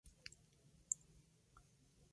Produce el código de los test unitarios del sistema.